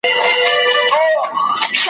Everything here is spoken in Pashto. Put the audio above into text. هم یې ځای زړه د اولس وي هم الله لره منظور سي ,